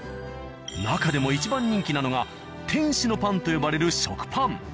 なかでも１番人気なのが天使のパンと呼ばれる食パン。